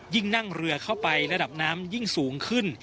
นั่งเรือเข้าไประดับน้ำยิ่งสูงขึ้น